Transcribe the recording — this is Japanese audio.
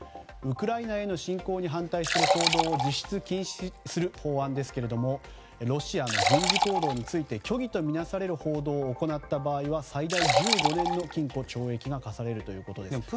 ウクライナへの侵攻に反対する報道を実質禁止する法案ですがロシアの軍事行動について虚偽とみなされる報道を行った場合は最大１５年の禁錮が科されるということです。